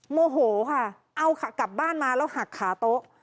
โมโหค่ะเอากลับบ้านมาแล้วหักขาโต๊ะ